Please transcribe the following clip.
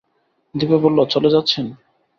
দিপা বলল, চলে যাচ্ছেন?